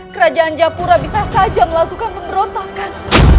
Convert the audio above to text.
kerajaan japura bisa saja melakukan pemberontakan